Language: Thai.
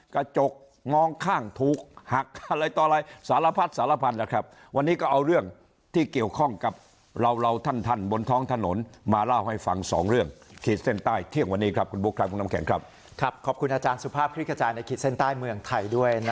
กระจกงองข้างถูกหักอะไรต่อไร